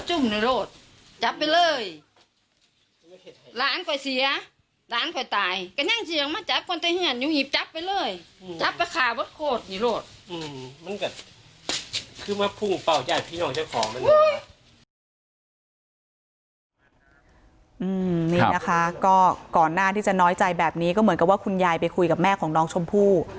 นี่นะคะก็ก่อนหน้าที่จะน้อยใจแบบนี้ก็เหมือนกับว่าคุณยายไปคุยกับแม่ของน้องชมพู่